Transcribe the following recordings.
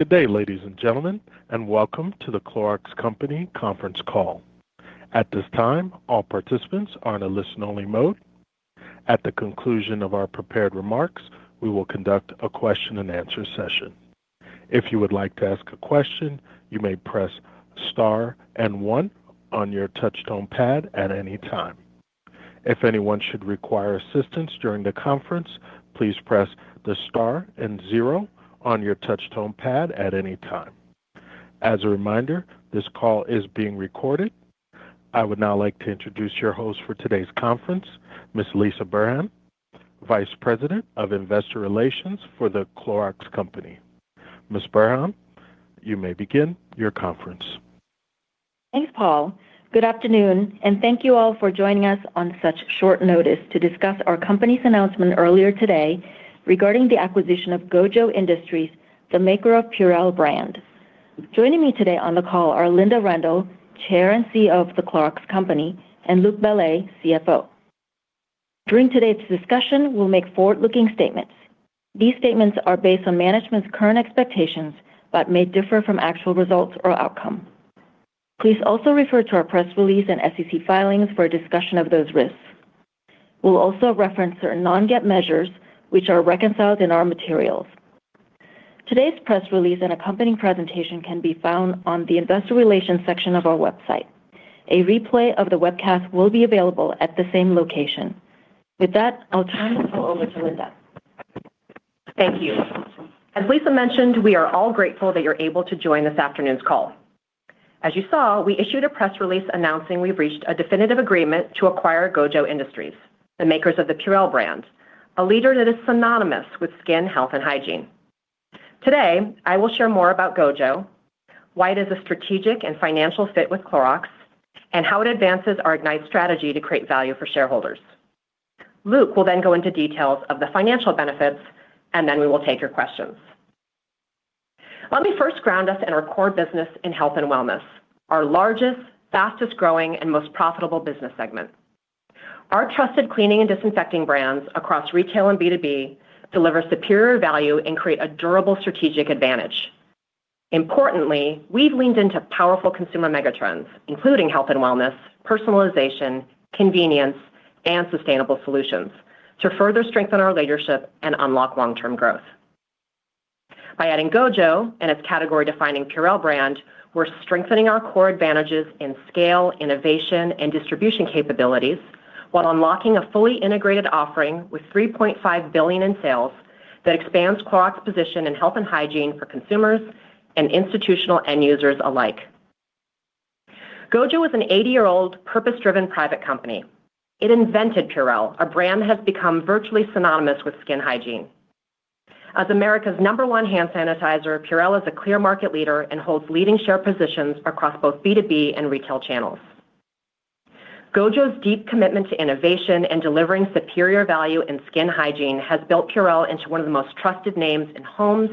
Good day, ladies and gentlemen, and welcome to the Clorox Company conference call. At this time, all participants are in a listen-only mode. At the conclusion of our prepared remarks, we will conduct a question-and-answer session. If you would like to ask a question, you may press star and one on your touchtone pad at any time. If anyone should require assistance during the conference, please press the star and zero on your touchtone pad at any time. As a reminder, this call is being recorded. I would now like to introduce your host for today's conference, Ms. Lisah Burhan, Vice President of Investor Relations for the Clorox Company. Ms. Burhan, you may begin your conference. Thanks, Paul. Good afternoon, and thank you all for joining us on such short notice to discuss our company's announcement earlier today regarding the acquisition of Gojo Industries, the maker of Purell brand. Joining me today on the call are Linda Rendle, Chair and CEO of The Clorox Company, and Luc Bellet, CFO. During today's discussion, we'll make forward-looking statements. These statements are based on management's current expectations but may differ from actual results or outcome. Please also refer to our press release and SEC filings for a discussion of those risks. We'll also reference certain non-GAAP measures, which are reconciled in our materials. Today's press release and accompanying presentation can be found on the investor relations section of our website. A replay of the webcast will be available at the same location. With that, I'll turn the call over to Linda. Thank you. As Lisa mentioned, we are all grateful that you're able to join this afternoon's call. As you saw, we issued a press release announcing we've reached a definitive agreement to acquire Gojo Industries, the makers of the Purell brand, a leader that is synonymous with skin, health, and hygiene. Today, I will share more about Gojo, why it is a strategic and financial fit with Clorox, and how it advances our Ignite strategy to create value for shareholders. Luc will then go into details of the financial benefits, and then we will take your questions. Let me first ground us in our core business in Health and Wellness, our largest, fastest-growing, and most profitable business segment. Our trusted cleaning and disinfecting brands across retail and B2B deliver superior value and create a durable strategic advantage. Importantly, we've leaned into powerful consumer megatrends, including Health and Wellness, personalization, convenience, and sustainable solutions to further strengthen our leadership and unlock long-term growth. By adding Gojo and its category-defining Purell brand, we're strengthening our core advantages in scale, innovation, and distribution capabilities while unlocking a fully integrated offering with $3.5 billion in sales that expands Clorox's position in health and hygiene for consumers and institutional end users alike. Gojo is an 80-year-old, purpose-driven private company. It invented Purell. Our brand has become virtually synonymous with skin hygiene. As America's number one hand sanitizer, Purell is a clear market leader and holds leading share positions across both B2B and retail channels. Gojo's deep commitment to innovation and delivering superior value in skin hygiene has built Purell into one of the most trusted names in homes,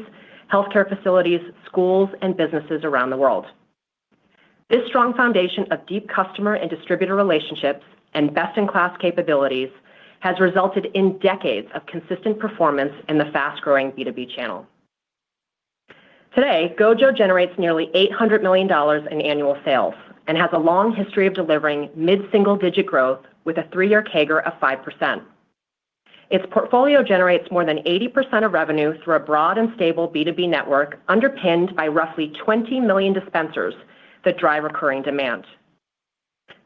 healthcare facilities, schools, and businesses around the world. This strong foundation of deep customer and distributor relationships and best-in-class capabilities has resulted in decades of consistent performance in the fast-growing B2B channel. Today, Gojo generates nearly $800 million in annual sales and has a long history of delivering mid-single-digit growth with a three-year CAGR of 5%. Its portfolio generates more than 80% of revenue through a broad and stable B2B network underpinned by roughly 20 million dispensers that drive recurring demand.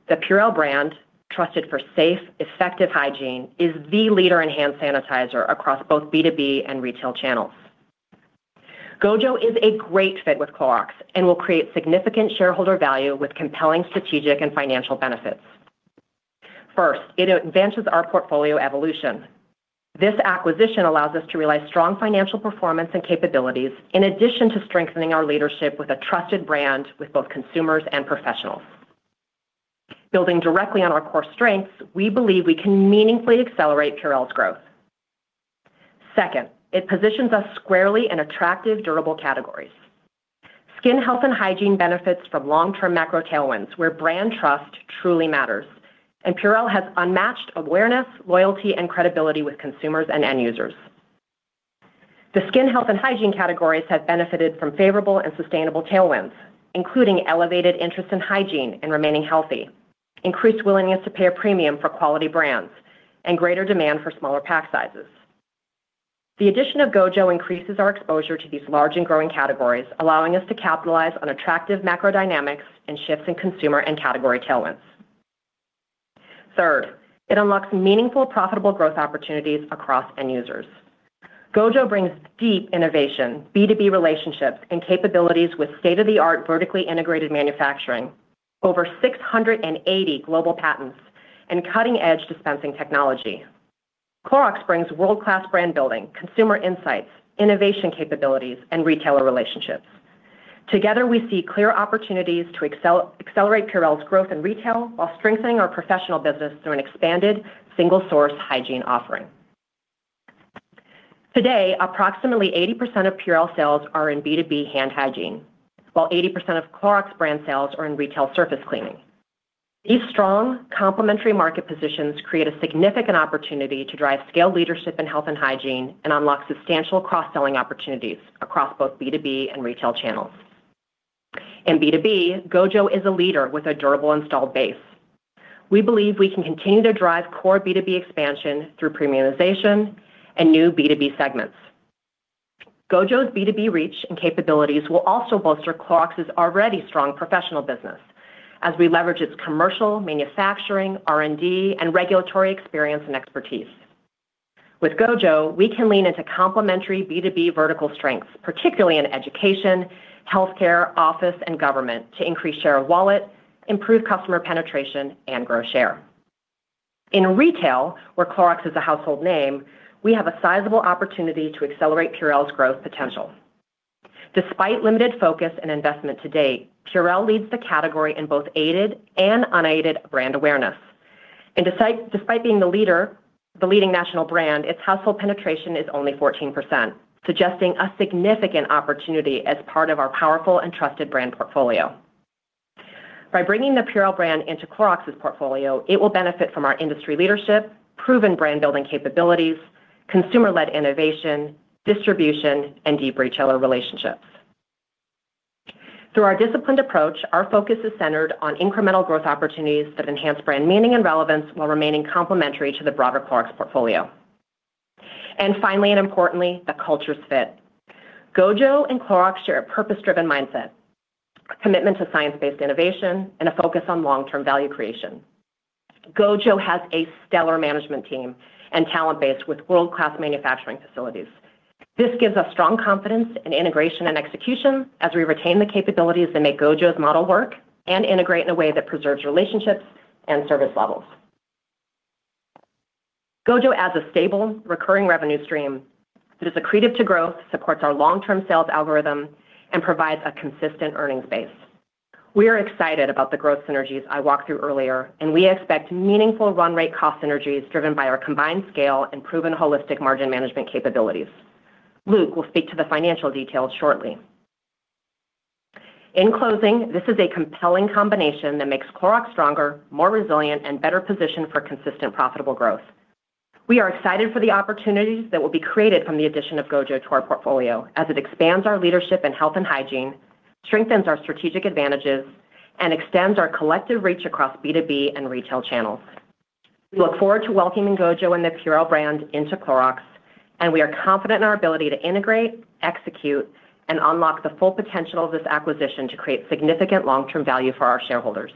The Purell brand, trusted for safe, effective hygiene, is the leader in hand sanitizer across both B2B and retail channels. Gojo is a great fit with Clorox and will create significant shareholder value with compelling strategic and financial benefits. First, it advances our portfolio evolution. This acquisition allows us to realize strong financial performance and capabilities in addition to strengthening our leadership with a trusted brand with both consumers and professionals. Building directly on our core strengths, we believe we can meaningfully accelerate Purell's growth. Second, it positions us squarely in attractive, durable categories. Skin health and hygiene benefits from long-term macro tailwinds where brand trust truly matters, and Purell has unmatched awareness, loyalty, and credibility with consumers and end users. The skin health and hygiene categories have benefited from favorable and sustainable tailwinds, including elevated interest in hygiene and remaining healthy, increased willingness to pay a premium for quality brands, and greater demand for smaller pack sizes. The addition of Gojo increases our exposure to these large and growing categories, allowing us to capitalize on attractive macro dynamics and shifts in consumer and category tailwinds. Third, it unlocks meaningful, profitable growth opportunities across end users. Gojo brings deep innovation, B2B relationships, and capabilities with state-of-the-art, vertically integrated manufacturing, over 680 global patents, and cutting-edge dispensing technology. Clorox brings world-class brand building, consumer insights, innovation capabilities, and retailer relationships. Together, we see clear opportunities to accelerate Purell's growth in retail while strengthening our professional business through an expanded single-source hygiene offering. Today, approximately 80% of Purell sales are in B2B hand hygiene, while 80% of Clorox brand sales are in retail surface cleaning. These strong, complementary market positions create a significant opportunity to drive scale leadership in health and hygiene and unlock substantial cross-selling opportunities across both B2B and retail channels. In B2B, Gojo is a leader with a durable installed base. We believe we can continue to drive core B2B expansion through premiumization and new B2B segments. Gojo's B2B reach and capabilities will also bolster Clorox's already strong professional business as we leverage its commercial, manufacturing, R&D, and regulatory experience and expertise. With Gojo, we can lean into complementary B2B vertical strengths, particularly in education, healthcare, office, and government, to increase share of wallet, improve customer penetration, and grow share. In retail, where Clorox is a household name, we have a sizable opportunity to accelerate Purell's growth potential. Despite limited focus and investment to date, Purell leads the category in both aided and unaided brand awareness. And despite being the leading national brand, its household penetration is only 14%, suggesting a significant opportunity as part of our powerful and trusted brand portfolio. By bringing the Purell brand into Clorox's portfolio, it will benefit from our industry leadership, proven brand-building capabilities, consumer-led innovation, distribution, and deep retailer relationships. Through our disciplined approach, our focus is centered on incremental growth opportunities that enhance brand meaning and relevance while remaining complementary to the broader Clorox portfolio. And finally, and importantly, the cultural fit. Gojo and Clorox share a purpose-driven mindset, a commitment to science-based innovation, and a focus on long-term value creation. Gojo has a stellar management team and talent base with world-class manufacturing facilities. This gives us strong confidence in integration and execution as we retain the capabilities that make Gojo's model work and integrate in a way that preserves relationships and service levels. Gojo adds a stable, recurring revenue stream that is accretive to growth, supports our long-term sales algorithm, and provides a consistent earnings base. We are excited about the growth synergies I walked through earlier, and we expect meaningful run-rate cost synergies driven by our combined scale and proven holistic margin management capabilities. Luc will speak to the financial details shortly. In closing, this is a compelling combination that makes Clorox stronger, more resilient, and better positioned for consistent, profitable growth. We are excited for the opportunities that will be created from the addition of Gojo to our portfolio as it expands our leadership in health and hygiene, strengthens our strategic advantages, and extends our collective reach across B2B and retail channels. We look forward to welcoming Gojo and the Purell brand into Clorox, and we are confident in our ability to integrate, execute, and unlock the full potential of this acquisition to create significant long-term value for our shareholders.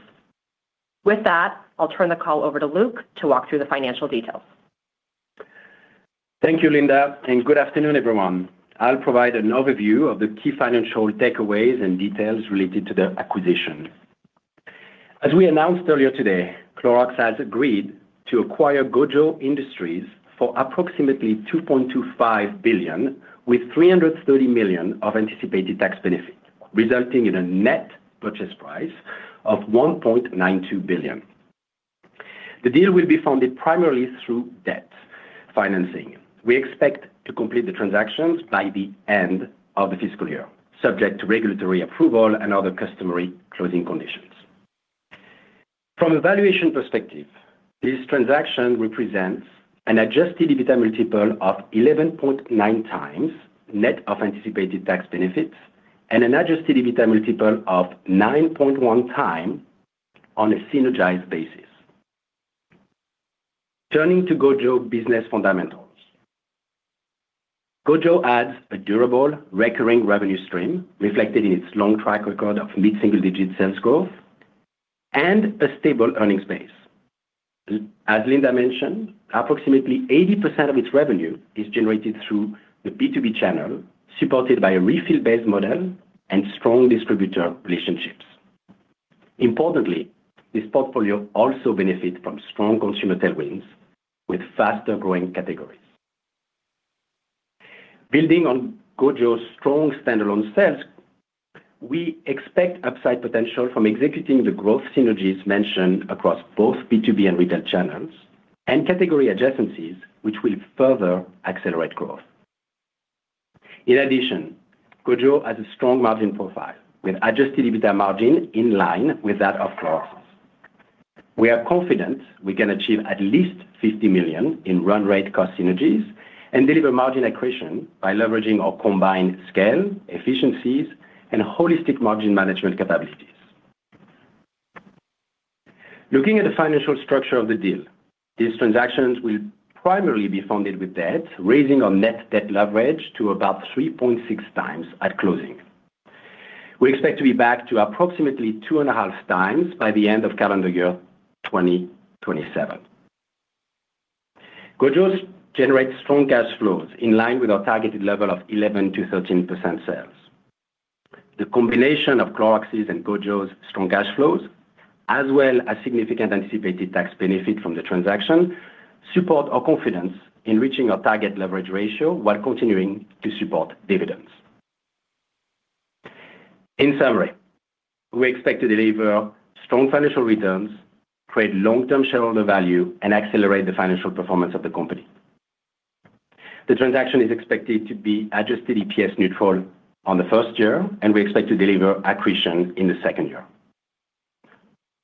With that, I'll turn the call over to Luc to walk through the financial details. Thank you, Linda, and good afternoon, everyone. I'll provide an overview of the key financial takeaways and details related to the acquisition. As we announced earlier today, Clorox has agreed to acquire Gojo Industries for approximately $2.25 billion, with $330 million of anticipated tax benefit, resulting in a net purchase price of $1.92 billion. The deal will be funded primarily through debt financing. We expect to complete the transactions by the end of the fiscal year, subject to regulatory approval and other customary closing conditions. From a valuation perspective, this transaction represents an adjusted EBITDA multiple of 11.9 times net of anticipated tax benefit and an adjusted EBITDA multiple of 9.1 times on a synergized basis. Turning to Gojo business fundamentals, Gojo adds a durable, recurring revenue stream reflected in its long track record of mid-single-digit sales growth and a stable earnings base. As Linda mentioned, approximately 80% of its revenue is generated through the B2B channel supported by a refill-based model and strong distributor relationships. Importantly, this portfolio also benefits from strong consumer tailwinds with faster-growing categories. Building on Gojo's strong standalone sales, we expect upside potential from executing the growth synergies mentioned across both B2B and retail channels and category adjacencies, which will further accelerate growth. In addition, Gojo has a strong margin profile with adjusted EBITDA margin in line with that of Clorox. We are confident we can achieve at least $50 million in run-rate cost synergies and deliver margin accretion by leveraging our combined scale, efficiencies, and holistic margin management capabilities. Looking at the financial structure of the deal, these transactions will primarily be funded with debt, raising our net debt leverage to about 3.6 times at closing. We expect to be back to approximately 2.5 times by the end of calendar year 2027. Gojo generates strong cash flows in line with our targeted level of 11%-13% sales. The combination of Clorox's and Gojo's strong cash flows, as well as significant anticipated tax benefit from the transaction, supports our confidence in reaching our target leverage ratio while continuing to support dividends. In summary, we expect to deliver strong financial returns, create long-term shareholder value, and accelerate the financial performance of the company. The transaction is expected to be adjusted EPS neutral on the first year, and we expect to deliver accretion in the second year.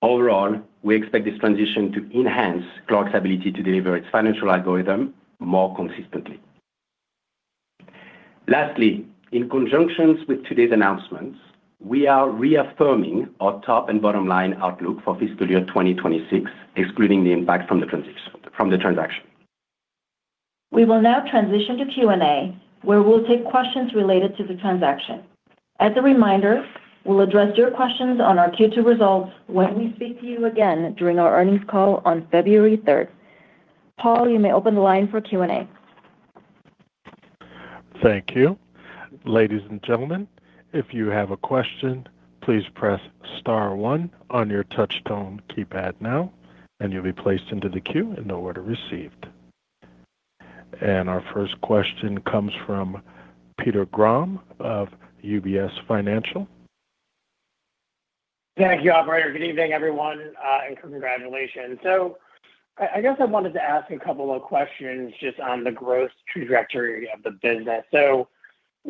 Overall, we expect this transition to enhance Clorox's ability to deliver its financial algorithm more consistently. Lastly, in conjunction with today's announcements, we are reaffirming our top and bottom line outlook for fiscal year 2026, excluding the impact from the transaction. We will now transition to Q&A, where we'll take questions related to the transaction. As a reminder, we'll address your questions on our Q2 results when we speak to you again during our earnings call on February 3rd. Paul, you may open the line for Q&A. Thank you. Ladies and gentlemen, if you have a question, please press star one on your touchtone keypad now, and you'll be placed into the queue in the order received. Our first question comes from Peter Graham of UBS Financial Services. Thank you, operator. Good evening, everyone, and congratulations. I guess I wanted to ask a couple of questions just on the growth trajectory of the business. So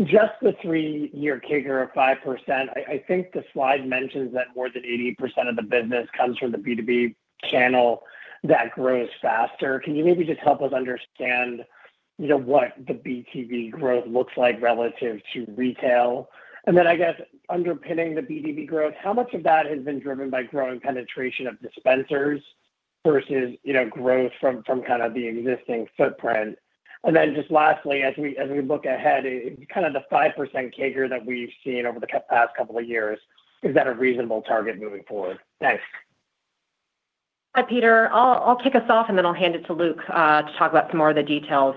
just the three-year CAGR of 5%, I think the slide mentions that more than 80% of the business comes from the B2B channel that grows faster. Can you maybe just help us understand what the B2B growth looks like relative to retail? And then I guess underpinning the B2B growth, how much of that has been driven by growing penetration of dispensers versus growth from the existing footprint? And then just lastly, as we look ahead, the 5% CAGR that we've seen over the past couple of years, is that a reasonable target moving forward? Thanks. Hi, Peter. I'll kick us off, and then I'll hand it to Luc to talk about some more of the details,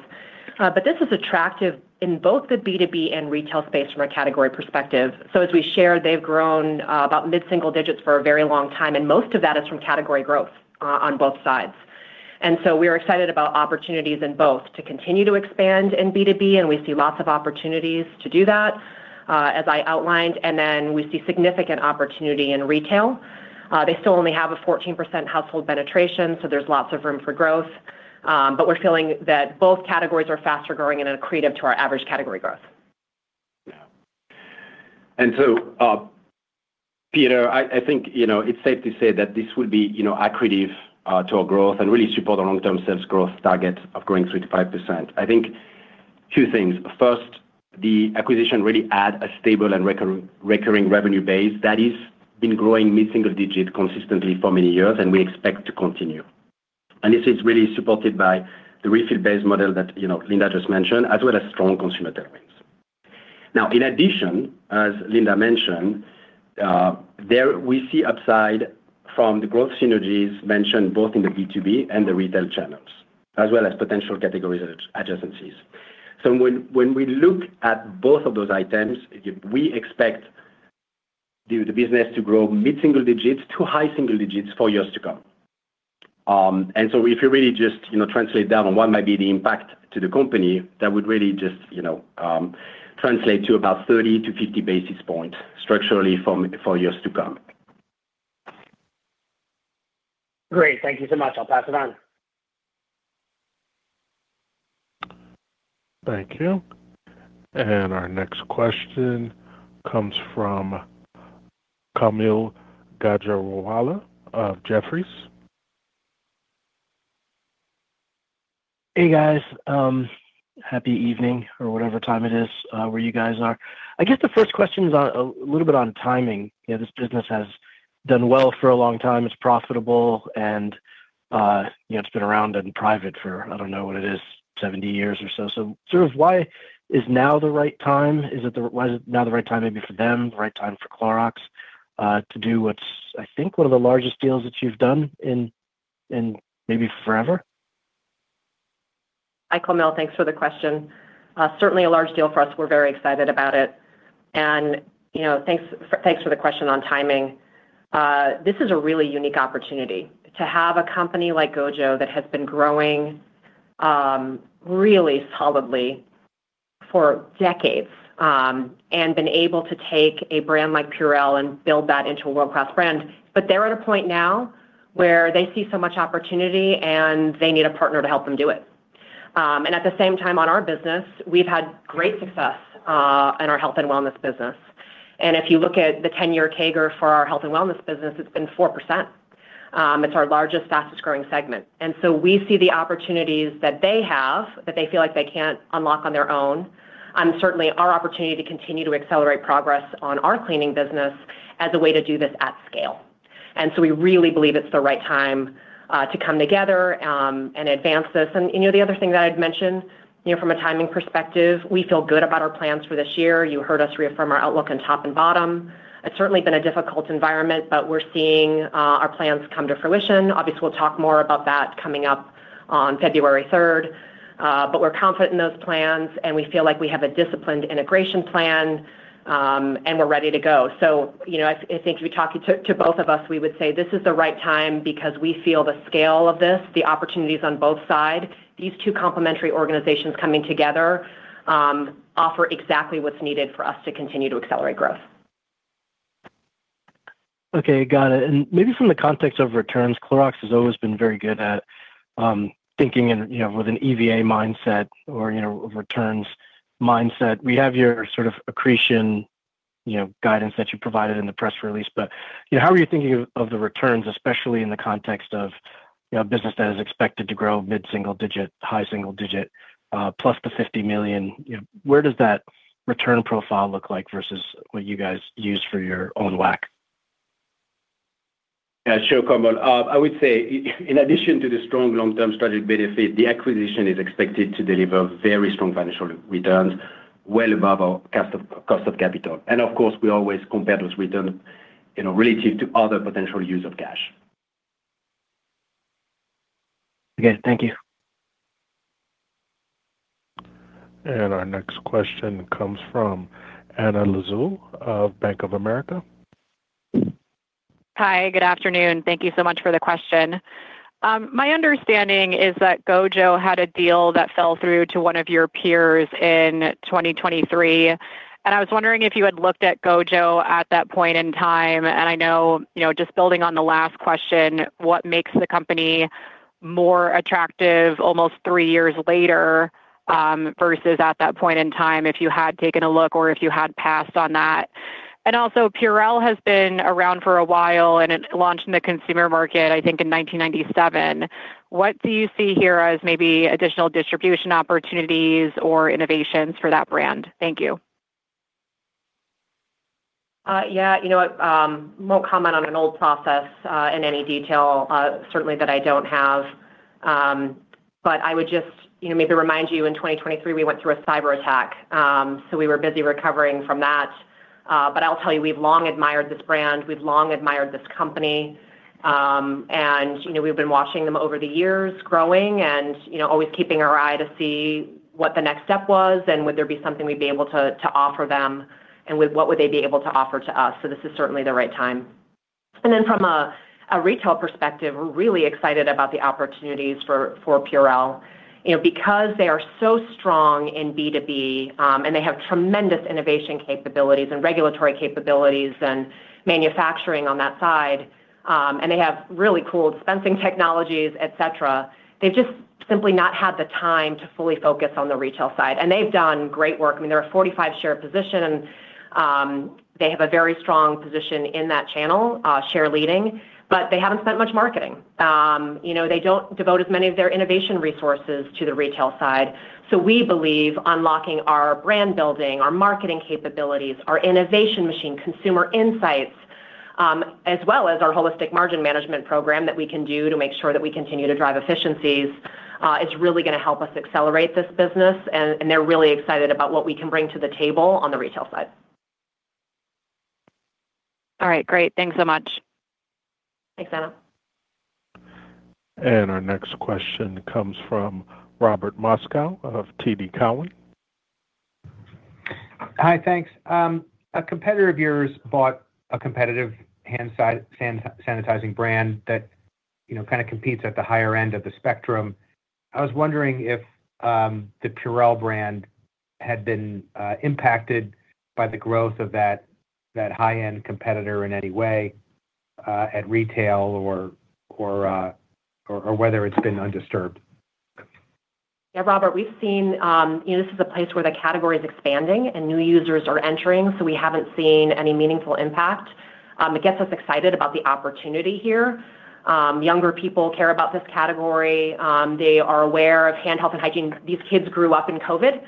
but this is attractive in both the B2B and retail space from a category perspective, so as we shared, they've grown about mid-single digits for a very long time, and most of that is from category growth on both sides, and so we are excited about opportunities in both to continue to expand in B2B, and we see lots of opportunities to do that, as I outlined, and then we see significant opportunity in retail. They still only have a 14% household penetration, so there's lots of room for growth, but we're feeling that both categories are faster growing and accretive to our average category growth. And so, Peter, I think it's safe to say that this will be accretive to our growth and really support our long-term sales growth target of growing 3%-5%. I think two things. First, the acquisition really adds a stable and recurring revenue base that has been growing mid-single digit consistently for many years, and we expect to continue. This is really supported by the refill-based model that Linda just mentioned, as well as strong consumer tailwinds. Now, in addition, as Linda mentioned, we see upside from the growth synergies mentioned both in the B2B and the retail channels, as well as potential category adjacencies. So when we look at both of those items, we expect the business to grow mid-single digits to high single digits for years to come. If you really just translate down on what might be the impact to the company, that would really just translate to about 30-50 basis points structurally for years to come. Great. Thank you so much. I'll pass it on. Thank you. Our next question comes from Kaumil Gajawala of Jefferies. Hey, guys. Happy evening, or whatever time it is where you guys are. I guess the first question is a little bit on timing. This business has done well for a long time. It's profitable, and it's been around in private for, I don't know what it is, 70 years or so. Of why is now the right time? Is it now the right time maybe for them, the right time for Clorox to do what's, I think, one of the largest deals that you've done in maybe forever? Hi, Kamil. Thanks for the question. Certainly a large deal for us. We're very excited about it. And thanks for the question on timing. This is a really unique opportunity to have a company like Gojo that has been growing really solidly for decades and been able to take a brand like Purell and build that into a world-class brand. They're at a point now where they see so much opportunity, and they need a partner to help them do it. At the same time, on our business, we've had great success in our health and wellness business. If you look at the 10-year CAGR for our health and wellness business, it's been 4%. It's our largest, fastest-growing segment. We see the opportunities that they have that they feel like they can't unlock on their own, and certainly our opportunity to continue to accelerate progress on our cleaning business as a way to do this at scale. We really believe it's the right time to come together and advance this. The other thing that I'd mention from a timing perspective, we feel good about our plans for this year. You heard us reaffirm our outlook on top and bottom. It's certainly been a difficult environment, but we're seeing our plans come to fruition. Obviously, we'll talk more about that coming up on February 3rd. We're confident in those plans, and we feel like we have a disciplined integration plan, and we're ready to go. I think if you talk to both of us, we would say this is the right time because we feel the scale of this, the opportunities on both sides, these two complementary organizations coming together offer exactly what's needed for us to continue to accelerate growth. Okay. Got it. And maybe from the context of returns, Clorox has always been very good at thinking with an EVA mindset or returns mindset. We have your accretion guidance that you provided in the press release, but how are you thinking of the returns, especially in the context of a business that is expected to grow mid-single digit, high single digit, plus the $50 million? Where does that return profile look like versus what you guys use for your own WACC? Yeah, sure, Kamil. I would say, in addition to the strong long-term strategic benefit, the acquisition is expected to deliver very strong financial returns well above our cost of capital. And of course, we always compare those returns relative to other potential use of cash. Okay. Thank you. Our next question comes from Anna Latzou of Bank of America. Hi. Good afternoon. Thank you so much for the question. My understanding is that Gojo had a deal that fell through to one of your peers in 2023, and I was wondering if you had looked at Gojo at that point in time, and I know, just building on the last question, what makes the company more attractive almost three years later versus at that point in time if you had taken a look or if you had passed on that, and also, Purell has been around for a while and launched in the consumer market, I think, in 1997. What do you see here as maybe additional distribution opportunities or innovations for that brand? Thank you. Yeah. You know what? I won't comment on an old process in any detail, certainly that I don't have. I would just maybe remind you, in 2023, we went through a cyber attack. So we were busy recovering from that. I'll tell you, we've long admired this brand. We've long admired this company. We've been watching them over the years growing and always keeping our eye to see what the next step was and would there be something we'd be able to offer them and what would they be able to offer to us. This is certainly the right time. Then from a retail perspective, we're really excited about the opportunities for Purell because they are so strong in B2B, and they have tremendous innovation capabilities and regulatory capabilities and manufacturing on that side. They have really cool dispensing technologies, etc. They've just simply not had the time to fully focus on the retail side. They've done great work. I mean, they're a 45% share position, and they have a very strong position in that channel, share-leading, but they haven't spent much on marketing. They don't devote as many of their innovation resources to the retail side. We believe unlocking our brand building, our marketing capabilities, our innovation machine, consumer insights, as well as our holistic margin management program that we can do to make sure that we continue to drive efficiencies is really going to help us accelerate this business. They're really excited about what we can bring to the table on the retail side. All right. Great. Thanks so much. Thanks, Anna. Our next question comes from Robert Moskow of TD Cowen. Hi, thanks. A competitor of yours bought a competitive hand sanitizing brand that competes at the higher end of the spectrum. I was wondering if the Purell brand had been impacted by the growth of that high-end competitor in any way at retail or whether it's been undisturbed? Yeah, Robert, we've seen this is a place where the category is expanding and new users are entering, so we haven't seen any meaningful impact. It gets us excited about the opportunity here. Younger people care about this category. They are aware of hand health and hygiene. These kids grew up in COVID,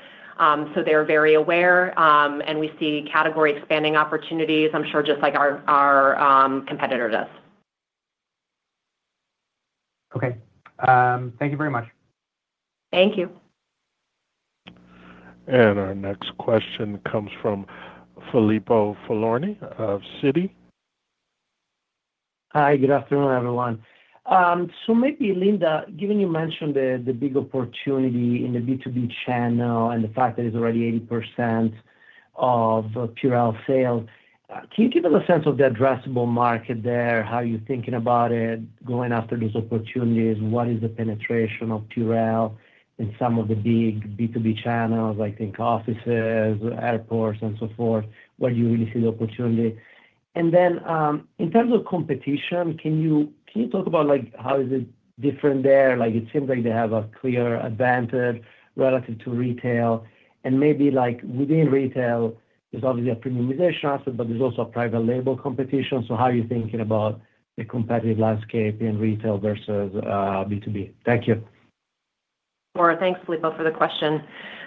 so they're very aware, and we see category expanding opportunities, I'm sure, just like our competitor does. Okay. Thank you very much. Thank you. Our next question comes from Filippo Falorni of Citi. Hi, good afternoon, everyone. So maybe, Linda, given you mentioned the big opportunity in the B2B channel and the fact that it's already 80% of Purell sales, can you give us a sense of the addressable market there, how you're thinking about it, going after these opportunities? What is the penetration of Purell in some of the big B2B channels, I think, offices, airports, and so forth, where you really see the opportunity? Then in terms of competition, can you talk about how is it different there? It seems like they have a clear advantage relative to retail. Maybe within retail, there's obviously a premiumization aspect, but there's also a private label competition. So how are you thinking about the competitive landscape in retail versus B2B? Thank you. Thanks, Filippo, for the question.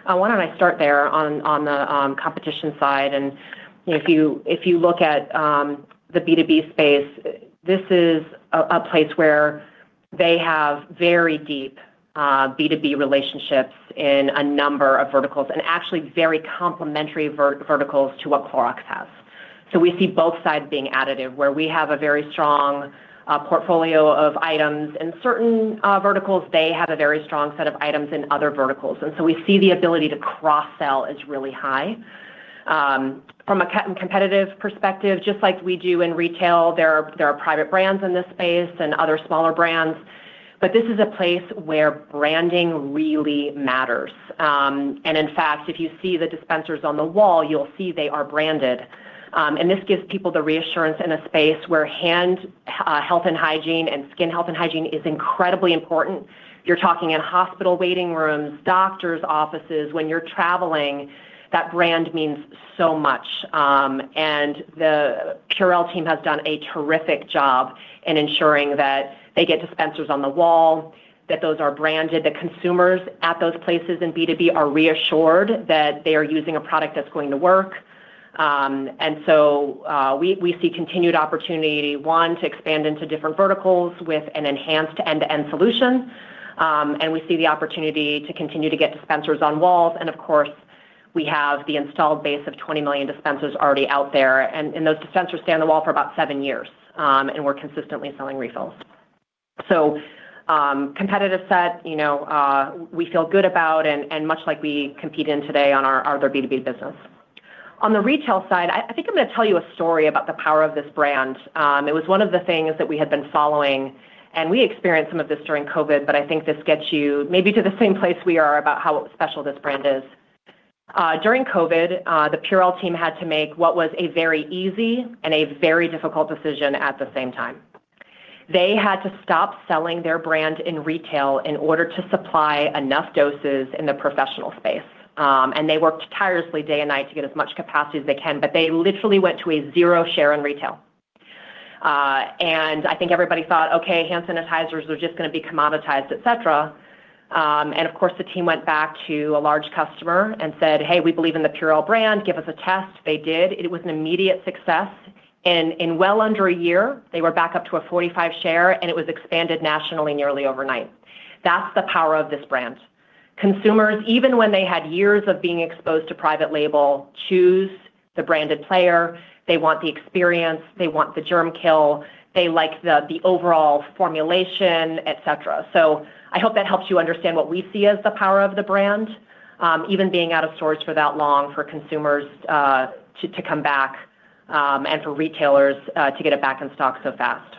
Why don't I start there on the competition side? If you look at the B2B space, this is a place where they have very deep B2B relationships in a number of verticals and actually very complementary verticals to what Clorox has. We see both sides being additive, where we have a very strong portfolio of items. In certain verticals, they have a very strong set of items in other verticals. We see the ability to cross-sell is really high. From a competitive perspective, just like we do in retail, there are private brands in this space and other smaller brands. This is a place where branding really matters. In fact, if you see the dispensers on the wall, you'll see they are branded. This gives people the reassurance in a space where hand health and hygiene and skin health and hygiene is incredibly important. You're talking in hospital waiting rooms, doctors' offices. When you're traveling, that brand means so much. The Purell team has done a terrific job in ensuring that they get dispensers on the wall, that those are branded, that consumers at those places in B2B are reassured that they are using a product that's going to work. And so we see continued opportunity, one, to expand into different verticals with an enhanced end-to-end solution. And we see the opportunity to continue to get dispensers on walls. And of course, we have the installed base of 20 million dispensers already out there. And those dispensers stay on the wall for about seven years, and we're consistently selling refills. Competitive set we feel good about, and much like we compete in today on our other B2B business. On the retail side, I think I'm going to tell you a story about the power of this brand. It was one of the things that we had been following, and we experienced some of this during COVID, but I think this gets you maybe to the same place we are about how special this brand is. During COVID, the Purell team had to make what was a very easy and a very difficult decision at the same time. They had to stop selling their brand in retail in order to supply enough doses in the professional space, and they worked tirelessly day and night to get as much capacity as they can, but they literally went to a zero share in retail. I think everybody thought, "Okay, hand sanitizers are just going to be commoditized," etc. And of course, the team went back to a large customer and said, "Hey, we believe in the Purell brand. Give us a test." They did. It was an immediate success. In well under a year, they were back up to a 45 share, and it was expanded nationally nearly overnight. That's the power of this brand. Consumers, even when they had years of being exposed to private label, choose the branded player. They want the experience. They want the germ kill. They like the overall formulation, etc. So I hope that helps you understand what we see as the power of the brand, even being out of stores for that long for consumers to come back and for retailers to get it back in stock so fast.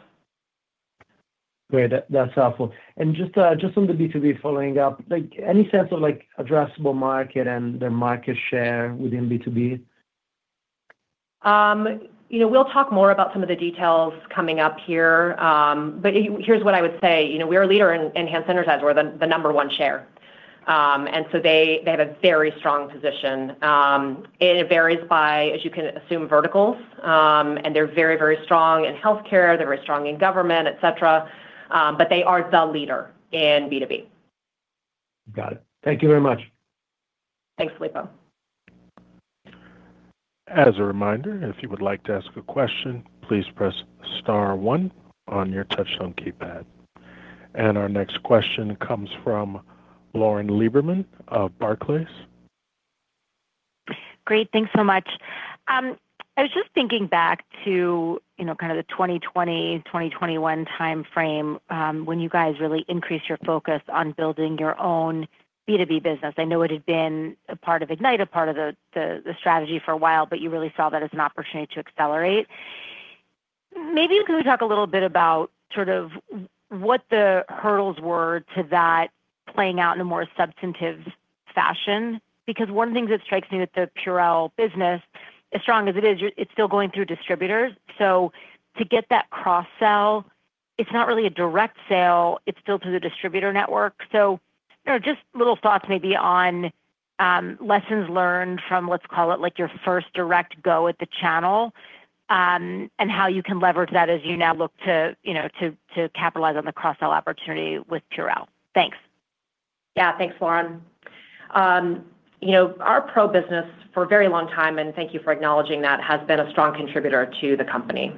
Great. That's helpful. And just on the B2B, following up, any sense of addressable market and their market share within B2B? We'll talk more about some of the details coming up here. Here's what I would say. We are a leader in hand sanitizer. We're the number one share. And so they have a very strong position. It varies by, as you can assume, verticals. They're very, very strong in healthcare. They're very strong in government, etc. They are the leader in B2B. Got it. Thank you very much. Thanks, Filippo. As a reminder, if you would like to ask a question, please press star one on your touch-tone keypad, and our next question comes from Lauren Lieberman of Barclays. Great. Thanks so much. I was just thinking back to the 2020, 2021 timeframe when you guys really increased your focus on building your own B2B business. I know it had been a part of Ignite, a part of the strategy for a while, but you really saw that as an opportunity to accelerate. Maybe you can talk a little bit about what the hurdles were to that playing out in a more substantive fashion? One of the things that strikes me with the Purell business, as strong as it is, it's still going through distributors. To get that cross-sell, it's not really a direct sale. It's still through the distributor network. Just little thoughts maybe on lessons learned from, let's call it, your first direct go at the channel and how you can leverage that as you now look to capitalize on the cross-sell opportunity with Purell. Thanks. Yeah. Thanks, Lauren. Our pro business for a very long time, and thank you for acknowledging that, has been a strong contributor to the company,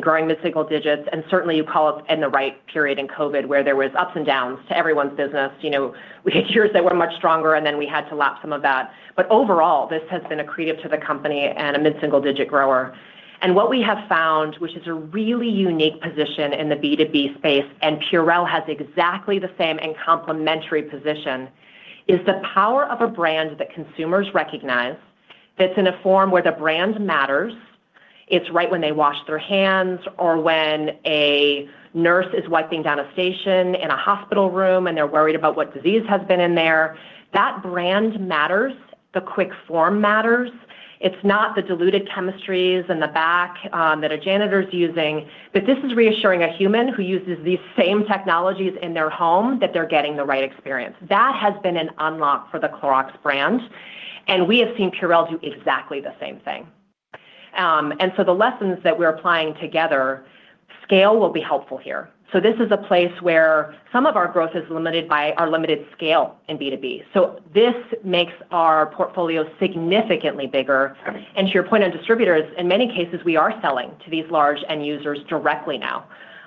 growing mid-single digits. And certainly, you call it in the right period in COVID where there were ups and downs to everyone's business. We had years that were much stronger, and then we had to lap some of that. But overall, this has been a credit to the company and a mid-single digit grower. And what we have found, which is a really unique position in the B2B space, and Purell has exactly the same and complementary position, is the power of a brand that consumers recognize that's in a form where the brand matters. It's right when they wash their hands or when a nurse is wiping down a station in a hospital room and they're worried about what disease has been in there. That brand matters. The quick form matters. It's not the diluted chemistries in the back that a janitor's using, but this is reassuring a human who uses these same technologies in their home that they're getting the right experience. That has been an unlock for the Clorox brand. And we have seen Purell do exactly the same thing. And so the lessons that we're applying together, scale will be helpful here. This is a place where some of our growth is limited by our limited scale in B2B. So this makes our portfolio significantly bigger. To your point on distributors, in many cases, we are selling to these large end users directly now.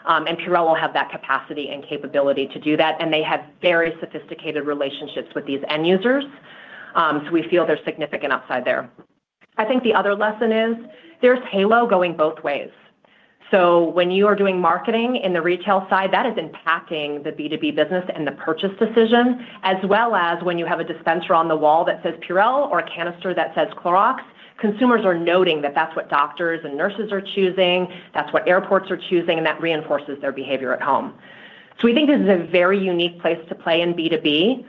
And Purell will have that capacity and capability to do that. They have very sophisticated relationships with these end users. We feel they're significant outside there. I think the other lesson is there's halo going both ways, so when you are doing marketing in the retail side, that is impacting the B2B business and the purchase decision, as well as when you have a dispenser on the wall that says Purell or a canister that says Clorox, consumers are noting that that's what doctors and nurses are choosing. That's what airports are choosing, and that reinforces their behavior at home, so we think this is a very unique place to play in B2B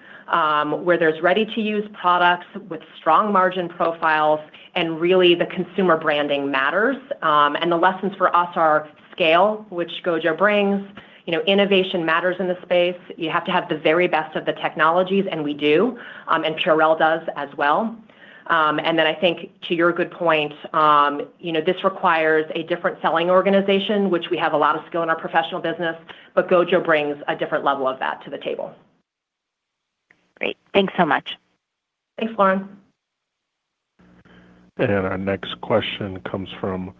where there's ready-to-use products with strong margin profiles, and really the consumer branding matters, and the lessons for us are scale, which Gojo brings. Innovation matters in this space. You have to have the very best of the technologies, and we do, and Purell does as well. Then I think, to your good point, this requires a different selling organization, which we have a lot of skill in our professional business, but Gojo brings a different level of that to the table. Great. Thanks so much. Thanks, Lauren. Our next question comes from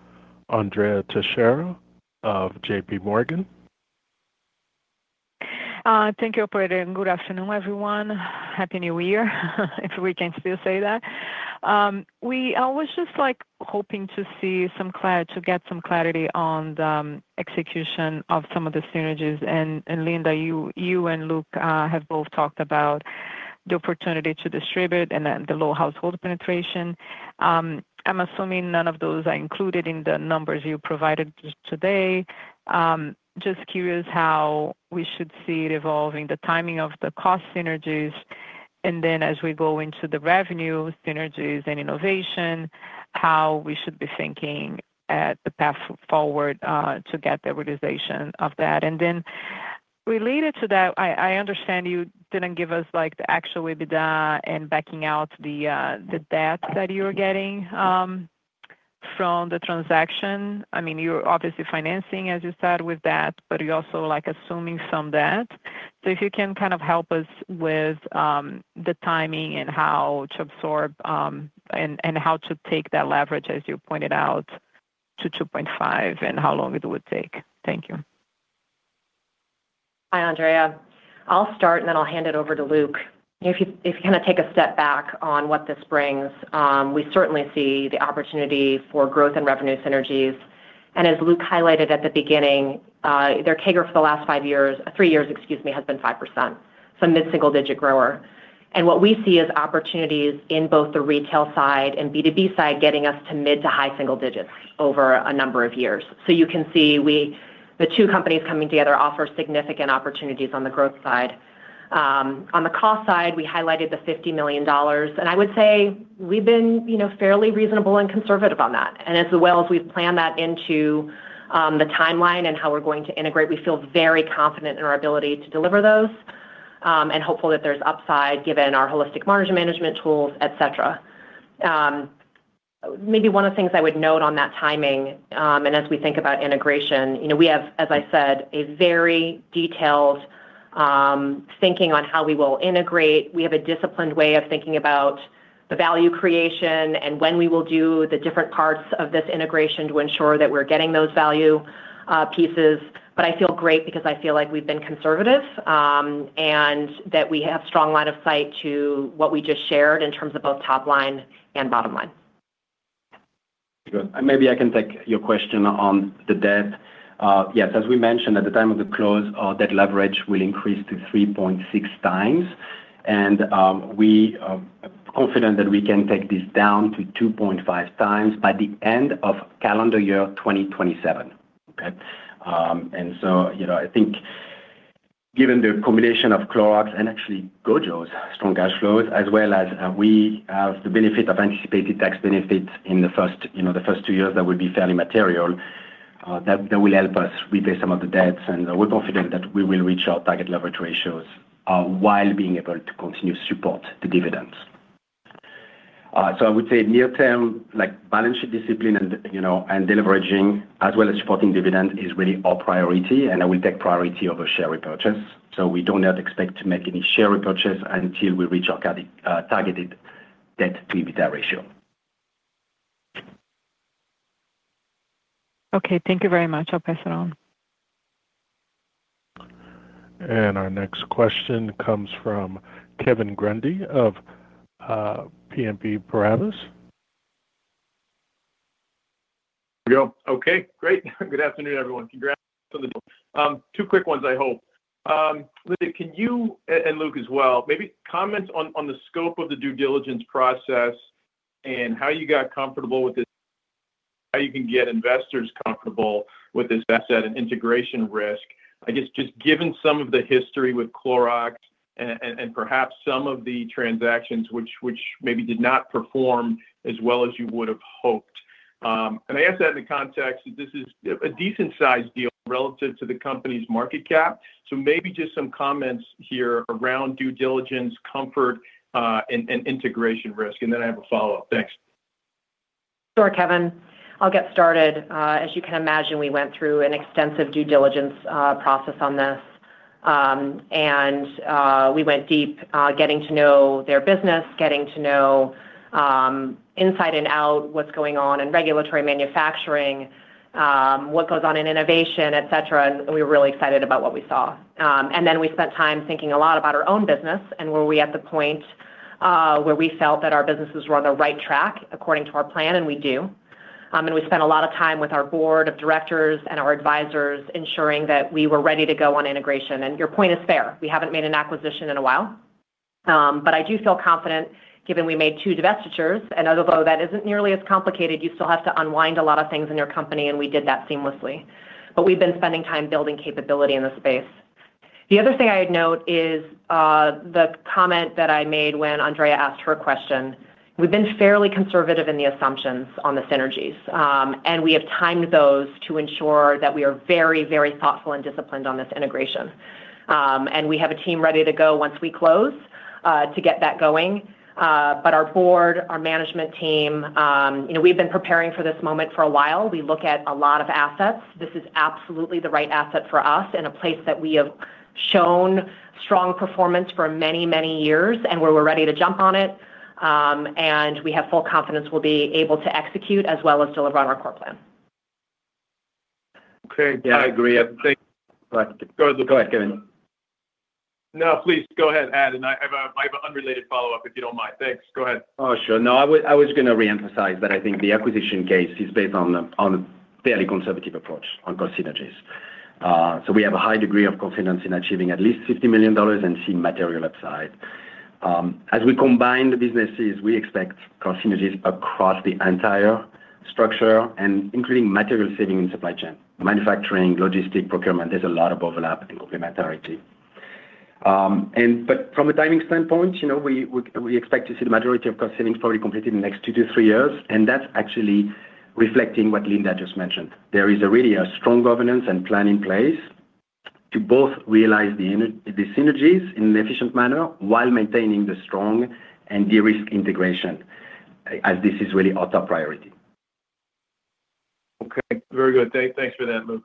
Andrea Teixeira of J.P. Morgan. Thank you, Operator. Good afternoon, everyone. Happy New Year, if we can still say that. We were just hoping to get some clarity on the execution of some of the synergies. Linda, you and Luc have both talked about the opportunity to distribute and the low household penetration. I'm assuming none of those are included in the numbers you provided today. Just curious how we should see it evolving, the timing of the cost synergies, and then as we go into the revenue synergies and innovation, how we should be thinking about the path forward to get the realization of that. Then related to that, I understand you didn't give us the actual EBITDA and backing out the debt that you were getting from the transaction. I mean, you're obviously financing, as you said, with that, but you're also assuming some debt. If you can help us with the timing and how to absorb and how to take that leverage, as you pointed out, to 2.5 and how long it would take? Thank you. Hi, Andrea. I'll start, and then I'll hand it over to Luc. If you take a step back on what this brings, we certainly see the opportunity for growth and revenue synergies. Luc highlighted at the beginning their CAGR for the last three years. Excuse me, it has been 5%, so a mid-single digit grower. What we see is opportunities in both the retail side and B2B side getting us to mid- to high-single digits over a number of years. You can see the two companies coming together offer significant opportunities on the growth side. On the cost side, we highlighted the $50 million. I would say we've been fairly reasonable and conservative on that. As well as we've planned that into the timeline and how we're going to integrate, we feel very confident in our ability to deliver those and hopeful that there's upside given our holistic margin management tools, etc. Maybe one of the things I would note on that timing, and as we think about integration, we have, as I said, a very detailed thinking on how we will integrate. We have a disciplined way of thinking about the value creation and when we will do the different parts of this integration to ensure that we're getting those value pieces, but I feel great because I feel like we've been conservative and that we have a strong line of sight to what we just shared in terms of both top line and bottom line. Maybe I can take your question on the debt. Yes, as we mentioned at the time of the close, our debt leverage will increase to 3.6 times, and we are confident that we can take this down to 2.5 times by the end of calendar year 2027. Okay? And so I think given the combination of Clorox and actually Gojo's strong cash flows, as well as we have the benefit of anticipated tax benefits in the first two years that would be fairly material, that will help us repay some of the debts, and we're confident that we will reach our target leverage ratios while being able to continue to support the dividends, so I would say near-term balance sheet discipline and deleveraging, as well as supporting dividends, is really our priority, and it will take priority over share repurchase. We do not expect to make any share repurchase until we reach our targeted debt-to-EBITDA ratio. Okay. Thank you very much. I'll pass it on. Our next question comes from Kevin Grundy of BNP Paribas. There we go. Okay. Great. Good afternoon, everyone. Congrats on the two quick ones, I hope. Linda, can you and Luc as well, maybe comment on the scope of the due diligence process and how you got comfortable with this, how you can get investors comfortable with this asset and integration risk, I guess, just given some of the history with Clorox and perhaps some of the transactions which maybe did not perform as well as you would have hoped, and I ask that in the context that this is a decent-sized deal relative to the company's market cap, so maybe just some comments here around due diligence, comfort, and integration risk, and then I have a follow-up. Thanks. Sure, Kevin. I'll get started. As you can imagine, we went through an extensive due diligence process on this. And we went deep getting to know their business, getting to know inside and out what's going on in regulatory manufacturing, what goes on in innovation, etc. And we were really excited about what we saw. And then we spent time thinking a lot about our own business and were we at the point where we felt that our businesses were on the right track according to our plan, and we do. And we spent a lot of time with our board of directors and our advisors ensuring that we were ready to go on integration. And your point is fair. We haven't made an acquisition in a while. But I do feel confident given we made two divestitures. Although that isn't nearly as complicated, you still have to unwind a lot of things in your company, and we did that seamlessly. We've been spending time building capability in the space. The other thing I would note is the comment that I made when Andrea asked her question. We've been fairly conservative in the assumptions on the synergies. We have timed those to ensure that we are very, very thoughtful and disciplined on this integration. We have a team ready to go once we close to get that going. Our board, our management team, we've been preparing for this moment for a while. We look at a lot of assets. This is absolutely the right asset for us in a place that we have shown strong performance for many, many years and where we're ready to jump on it. We have full confidence we'll be able to execute as well as deliver on our core plan. Okay. I agree. Thank you. Go ahead, Kevin. No, please go ahead, Adam. I have an unrelated follow-up, if you don't mind. Thanks. Go ahead. Oh, sure. No, I was going to reemphasize that I think the acquisition case is based on a fairly conservative approach on cost synergies. So we have a high degree of confidence in achieving at least $50 million and seeing material upside. As we combine the businesses, we expect cost synergies across the entire structure, including material savings in supply chain, manufacturing, logistics, procurement. There's a lot of overlap and complementarity. But from a timing standpoint, we expect to see the majority of cost savings probably completed in the next two-to-three years. And that's actually reflecting what Linda just mentioned. There is really a strong governance and plan in place to both realize the synergies in an efficient manner while maintaining the strong, de-risked integration, as this is really our top priority. Okay. Very good. Thanks for that, Luc.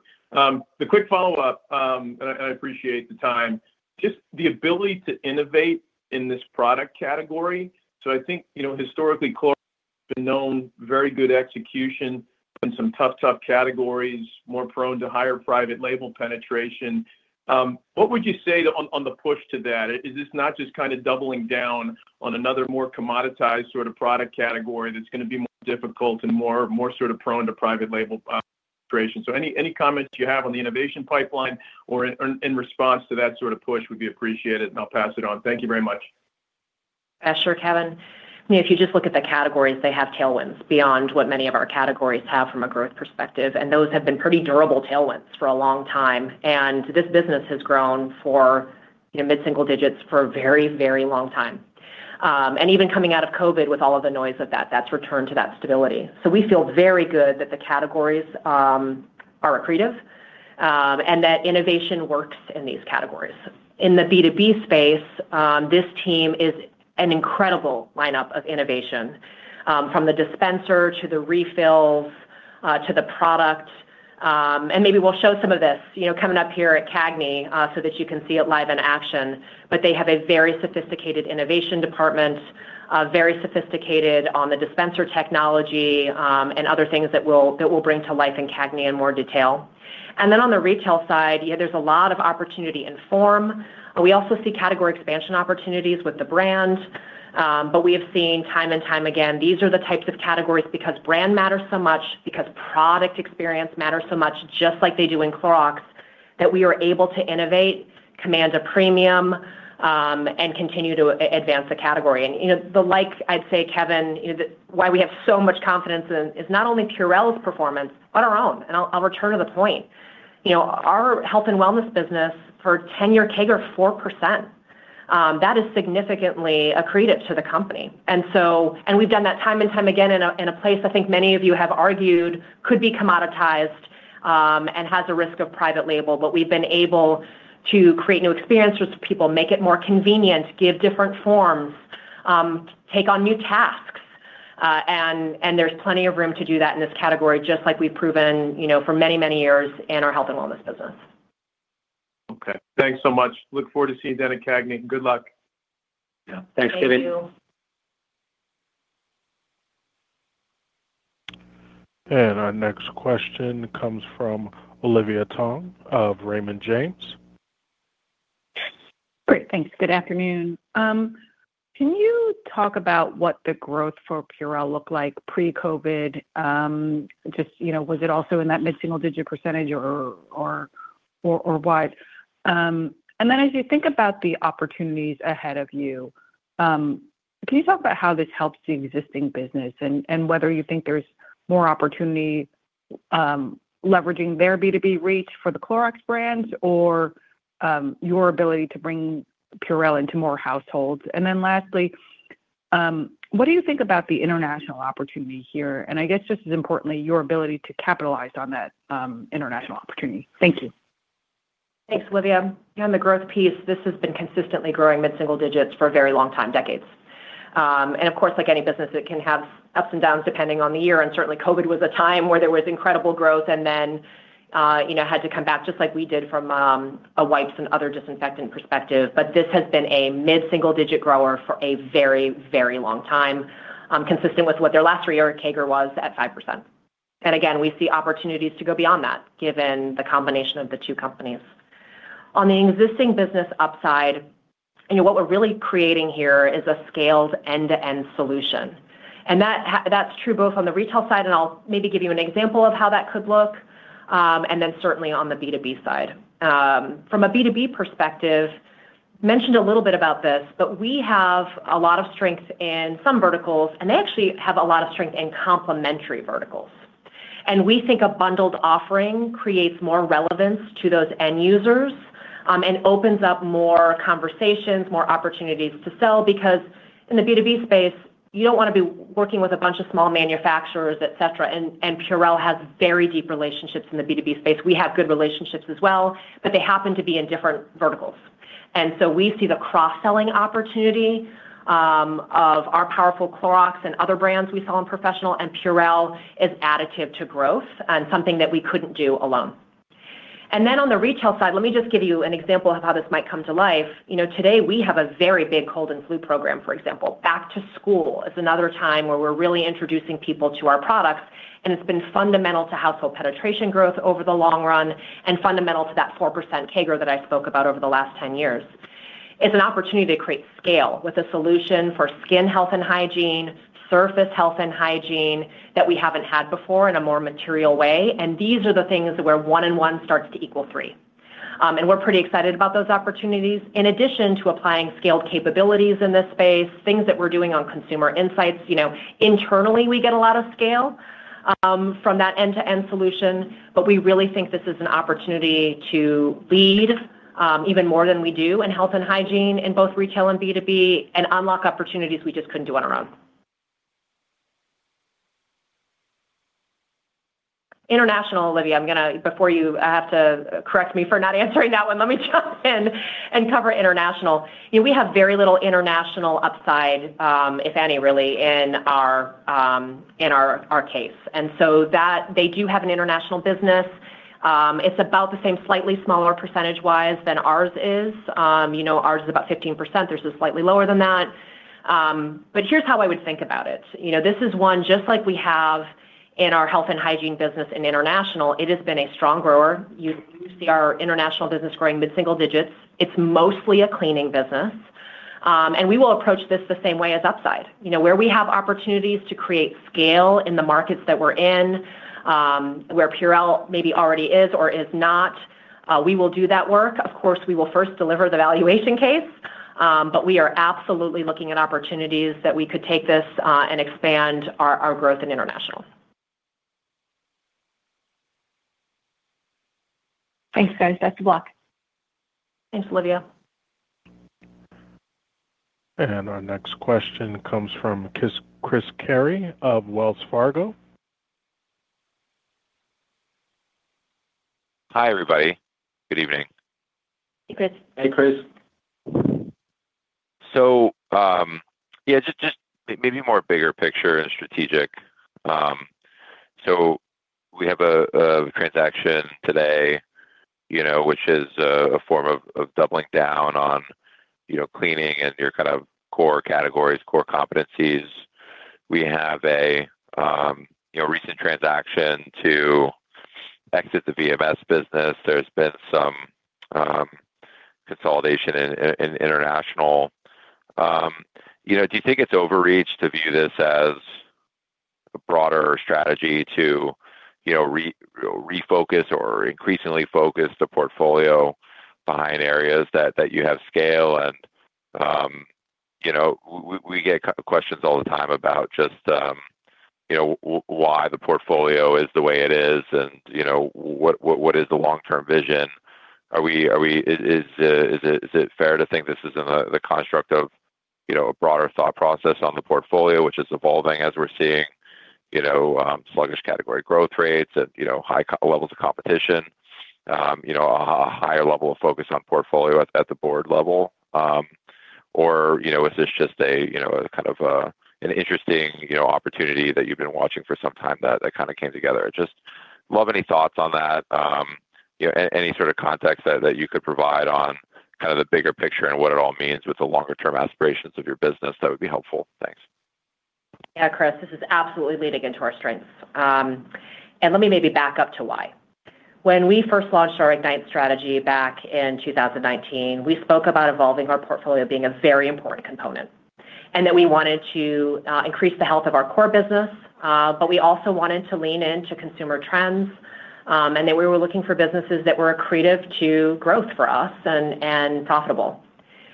The quick follow-up, and I appreciate the time, just the ability to innovate in this product category. I think historically, Clorox has been known for very good execution in some tough, tough categories, more prone to higher private label penetration. What would you say on the push to that? Is this not just doubling down on another more commoditized product category that's going to be more difficult and more prone to private label penetration? So any comments you have on the innovation pipeline or in response to that push would be appreciated, and I'll pass it on. Thank you very much. Sure, Kevin. If you just look at the categories, they have tailwinds beyond what many of our categories have from a growth perspective, and those have been pretty durable tailwinds for a long time, and this business has grown for mid-single digits for a very, very long time, and even coming out of COVID with all of the noise of that, that's returned to that stability, so we feel very good that the categories are accretive and that innovation works in these categories. In the B2B space, this team is an incredible lineup of innovation from the dispenser to the refills to the product, and maybe we'll show some of this coming up here at CAGNY so that you can see it live in action. They have a very sophisticated innovation department, very sophisticated on the dispenser technology and other things that we'll bring to life in CAGNY in more detail. And then on the retail side, there's a lot of opportunity in form. We also see category expansion opportunities with the brand. But we have seen time and time again, these are the types of categories because brand matters so much, because product experience matters so much, just like they do in Clorox, that we are able to innovate, command a premium, and continue to advance the category. And the like, I'd say, Kevin, why we have so much confidence in is not only Purell's performance, but our own. I'll return to the point. Our health and wellness business, for a 10-year CAGR, 4%. That is significantly accretive to the company. We've done that time and time again in a place I think many of you have argued could be commoditized and has a risk of private label. We've been able to create new experiences for people, make it more convenient, give different forms, take on new tasks. There's plenty of room to do that in this category, just like we've proven for many, many years in our health and wellness business. Okay. Thanks so much. Look forward to seeing you then at CAGNY. Good luck. Yeah. Thanks, Kevin. Thank you. Our next question comes from Olivia Tong of Raymond James. Great. Thanks. Good afternoon. Can you talk about what the growth for Purell looked like pre-COVID? Just was it also in that mid-single digit % or what? Then as you think about the opportunities ahead of you, can you talk about how this helps the existing business and whether you think there's more opportunity leveraging their B2B reach for the Clorox brands or your ability to bring Purell into more households? Then lastly, what do you think about the international opportunity here? And I guess just as importantly, your ability to capitalize on that International opportunity. Thank you. Thanks, Olivia. On the growth piece, this has been consistently growing mid-single digits for a very long time, decades, and of course, like any business, it can have ups and downs depending on the year, and certainly, COVID was a time where there was incredible growth and then had to come back just like we did from a wipes and other disinfectant perspective, but this has been a mid-single digit grower for a very, very long time, consistent with what their last three-year CAGR was at 5%, and again, we see opportunities to go beyond that given the combination of the two companies. On the existing business upside, what we're really creating here is a scaled end-to-end solution, and that's true both on the retail side, and I'll maybe give you an example of how that could look, and then certainly on the B2B side. From a B2B perspective, mentioned a little bit about this, but we have a lot of strength in some verticals, and they actually have a lot of strength in complementary verticals, and we think a bundled offering creates more relevance to those end users and opens up more conversations, more opportunities to sell because in the B2B space, you don't want to be working with a bunch of small manufacturers, etc., and Purell has very deep relationships in the B2B space. We have good relationships as well, but they happen to be in different verticals, and so we see the cross-selling opportunity of our powerful Clorox and other brands we sell in professional, and Purell is additive to growth and something that we couldn't do alone, and then on the retail side, let me just give you an example of how this might come to life. Today, we have a very big cold and flu program, for example. Back to school is another time where we're really introducing people to our products, and it's been fundamental to household penetration growth over the long run and fundamental to that 4% CAGR that I spoke about over the last 10 years. It's an opportunity to create scale with a solution for skin health and hygiene, surface health and hygiene that we haven't had before in a more material way, and these are the things where one and one starts to equal three, and we're pretty excited about those opportunities. In addition to applying scaled capabilities in this space, things that we're doing on consumer insights, internally, we get a lot of scale from that end-to-end solution. We really think this is an opportunity to lead even more than we do in health and hygiene in both retail and B2B and unlock opportunities we just couldn't do on our own. International, Olivia, before you have to correct me for not answering that one, let me jump in and cover international. We have very little international upside, if any, really, in our case. They do have an international business. It's about the same slightly smaller percentage-wise than ours is. Ours is about 15%. There's a slightly lower than that. Here's how I would think about it. This is one, just like we have in our health and hygiene business in international, it has been a strong grower. You see our international business growing mid-single digits. It's mostly a cleaning business. And we will approach this the same way as upside. Where we have opportunities to create scale in the markets that we're in, where Purell maybe already is or is not, we will do that work. Of course, we will first deliver the valuation case. But we are absolutely looking at opportunities that we could take this and expand our growth in international. Thanks, guys. Best of luck. Thanks, Olivia. Our next question comes from Chris Carey of Wells Fargo. Hi, everybody. Good evening. Hey, Chris. Hey, Chris. Just maybe more bigger picture and strategic. We have a transaction today, which is a form of doubling down on cleaning and your core categories, core competencies. We have a recent transaction to exit the VMS business. There's been some consolidation in international. Do you think it's overreach to view this as a broader strategy to refocus or increasingly focus the portfolio behind areas that you have scale? We get questions all the time about just why the portfolio is the way it is and what is the long-term vision. Is it fair to think this is in the construct of a broader thought process on the portfolio, which is evolving as we're seeing sluggish category growth rates and high levels of competition, a higher level of focus on portfolio at the board level? Or is this just an interesting opportunity that you've been watching for some time that came together? I'd love any thoughts on that, any context that you could provide on the bigger picture and what it all means with the longer-term aspirations of your business. That would be helpful. Thanks. Yeah, Chris, this is absolutely leading into our strengths, and let me maybe back up to why. When we first launched our Ignite strategy back in 2019, we spoke about evolving our portfolio being a very important component and that we wanted to increase the health of our core business, but we also wanted to lean into consumer trends and that we were looking for businesses that were accretive to growth for us and profitable,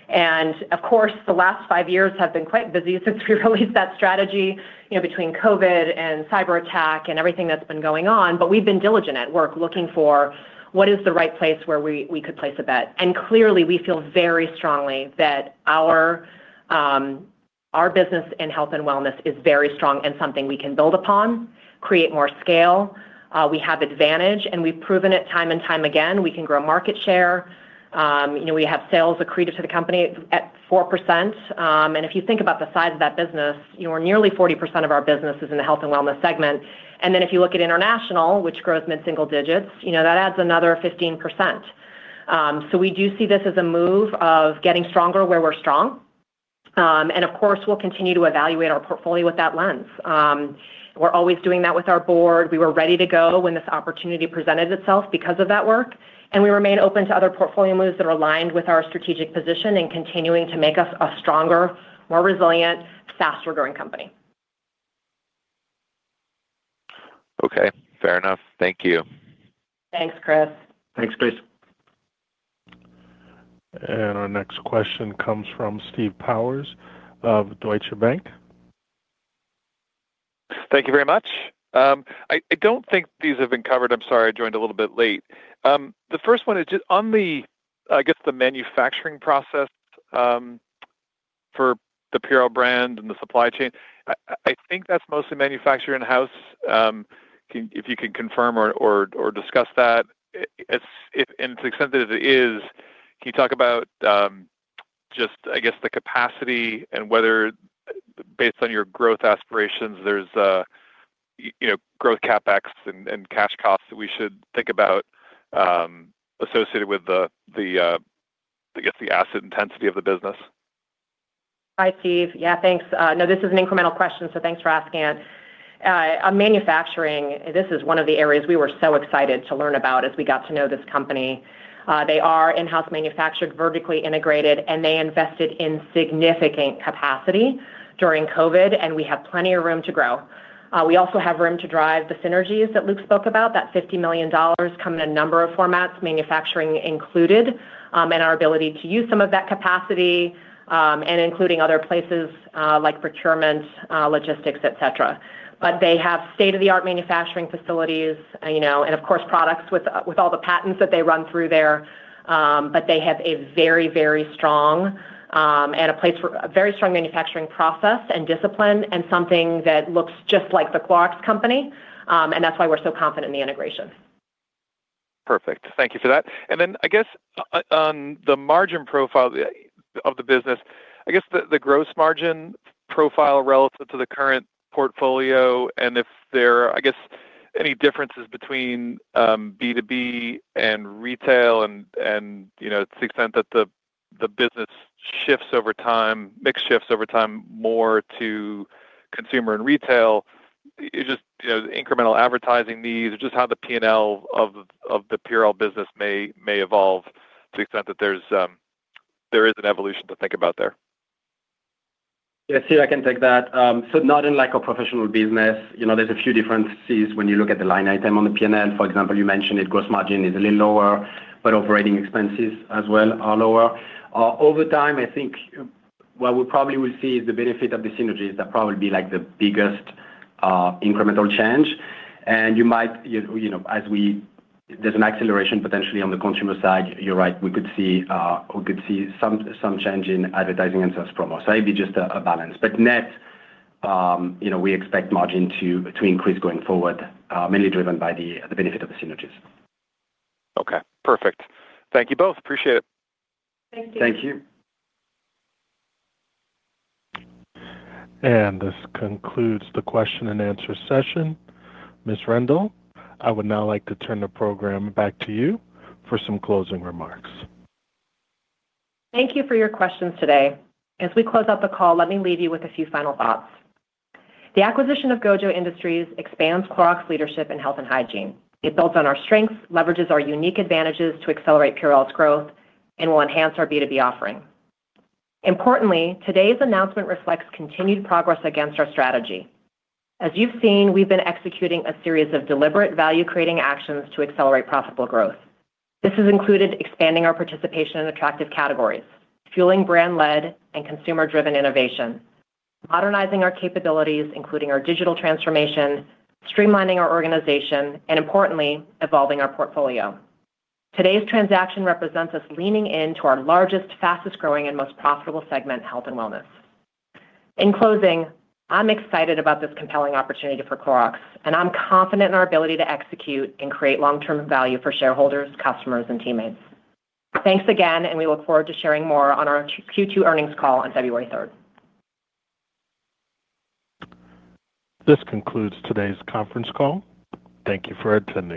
and of course, the last five years have been quite busy since we released that strategy between COVID and cyber attack and everything that's been going on, but we've been diligent at work looking for what is the right place where we could place a bet, and clearly, we feel very strongly that our business in health and wellness is very strong and something we can build upon, create more scale. We have advantage, and we've proven it time and time again. We can grow market share. We have sales accretive to the company at 4%. And if you think about the size of that business, nearly 40% of our business is in the health and wellness segment. Then if you look at international, which grows mid-single digits, that adds another 15%. We do see this as a move of getting stronger where we're strong. We'll continue to evaluate our portfolio with that lens. We're always doing that with our board. We were ready to go when this opportunity presented itself because of that work. And we remain open to other portfolio moves that are aligned with our strategic position and continuing to make us a stronger, more resilient, faster-growing company. Okay. Fair enough. Thank you. Thanks, Chris. Thanks, Chris. Our next question comes from Steve Powers of Deutsche Bank. Thank you very much. I don't think these have been covered. I'm sorry I joined a little bit late. The first one is just on the, I guess, the manufacturing process for the Purell brand and the supply chain. I think that's mostly manufactured in-house. If you can confirm or discuss that? To the extent that it is, can you talk about just, I guess, the capacity and whether, based on your growth aspirations, there's growth CapEx and cash costs that we should think about associated with, I guess, the asset intensity of the business? Hi, Steve. Yeah, thanks. No, this is an incremental question, so thanks for asking it. Manufacturing, this is one of the areas we were so excited to learn about as we got to know this company. They are in-house manufactured, vertically integrated, and they invested in significant capacity during COVID, and we have plenty of room to grow. We also have room to drive the synergies that Luke spoke about, that $50 million come in a number of formats, manufacturing included, and our ability to use some of that capacity and including other places like procurement, logistics, etc. But they have state-of-the-art manufacturing facilities and, of course, products with all the patents that they run through there. But they have a very, very strong and a place for a very strong manufacturing process and discipline and something that looks just like the Clorox Company. That's why we're so confident in the integration. Perfect. Thank you for that. Then, I guess, on the margin profile of the business, I guess the gross margin profile relative to the current portfolio and if there, I guess, any differences between B2B and retail and to the extent that the business shifts over time, mix shifts over time more to consumer and retail, just incremental advertising needs or just how the P&L of the Purell business may evolve to the extent that there is an evolution to think about there. Yeah, Steve, I can take that. Not unlike a professional business, there's a few differences when you look at the line item on the P&L. For example, you mentioned, the gross margin is a little lower, but operating expenses as well are lower. Over time, I think what we probably will see is the benefit of the synergies that probably will be the biggest incremental change. You might, as there's an acceleration potentially on the consumer side, you're right, we could see some change in advertising and sales promo. It'd be just a balance. But net, we expect margin to increase going forward, mainly driven by the benefit of the synergies. Okay. Perfect. Thank you both. Appreciate it. Thank you. Thank you. This concludes the question and answer session. Ms. Rendle, I would now like to turn the program back to you for some closing remarks. Thank you for your questions today. As we close out the call, let me leave you with a few final thoughts. The acquisition of Gojo Industries expands Clorox's leadership in health and hygiene. It builds on our strengths, leverages our unique advantages to accelerate Purell's growth, and will enhance our B2B offering. Importantly, today's announcement reflects continued progress against our strategy. As you've seen, we've been executing a series of deliberate value-creating actions to accelerate profitable growth. This has included expanding our participation in attractive categories, fueling brand-led and consumer-driven innovation, modernizing our capabilities, including our digital transformation, streamlining our organization, and importantly, evolving our portfolio. Today's transaction represents us leaning into our largest, fastest-growing, and most profitable segment, health and wellness. In closing, I'm excited about this compelling opportunity for Clorox, and I'm confident in our ability to execute and create long-term value for shareholders, customers, and teammates. Thanks again, and we look forward to sharing more on our Q2 earnings call on February 3rd. This concludes today's conference call. Thank you for attending.